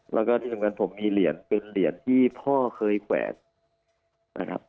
แล้วก็ที่สำคัญผมมีเหรียญเป็นเหรียญที่พ่อเคยแขวนนะครับ